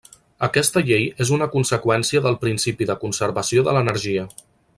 Aquesta llei és una conseqüència del principi de conservació de l'energia.